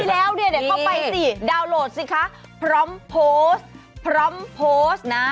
แล้วเนี่ยเดี๋ยวเข้าไปสิดาวน์โหลดสิคะพร้อมโพสต์พร้อมโพสต์นะ